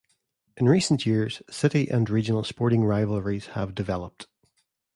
In recent years, city and regional sporting rivalries have developed.